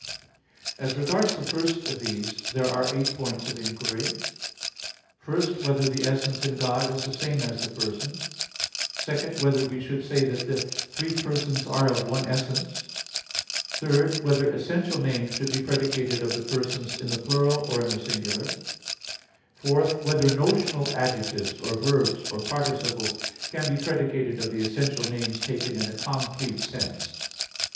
As regards the first of these, there are eight points of inquiry: (1) Whether the essence in God is the same as the person? (2) Whether we should say that the three persons are of one essence? (3) Whether essential names should be predicated of the persons in the plural, or in the singular? (4) Whether notional adjectives, or verbs, or participles, can be predicated of the essential names taken in a concrete sense?